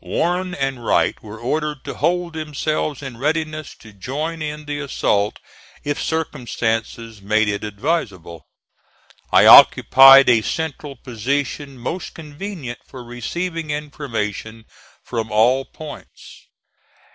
Warren and Wright were ordered to hold themselves in readiness to join in the assault if circumstances made it advisable. I occupied a central position most convenient for receiving information from all points.